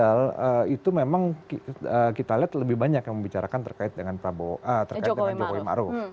kalau memang di media sosial itu memang kita lihat lebih banyak yang membicarakan terkait dengan prabowo terkait dengan jokowi ma'ruf